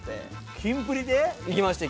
キンプリ